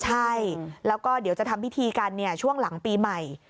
ใช่แล้วก็เดี๋ยวจะทำพิธีกันช่วงหลังปีใหม่